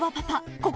ここ。